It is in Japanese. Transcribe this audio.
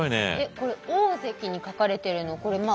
これ大関に書かれてるのこれ発疹？